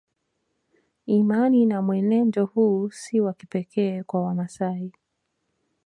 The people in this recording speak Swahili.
Imani na mwenendo huu si wa kipekee kwa Wamasai